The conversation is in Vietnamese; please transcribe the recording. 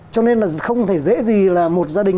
cho nên là không thể dễ gì là một gia đình